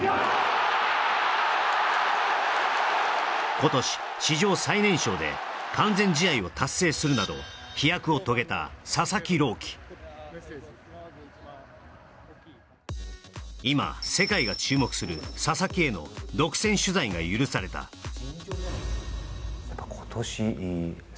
今年史上最年少で完全試合を達成するなど飛躍を遂げた佐々木朗希今世界が注目する佐々木への独占取材が許されたはい！